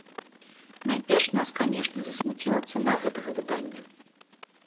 Найперш нас, канечне, засмуціла цана гэтага выдання.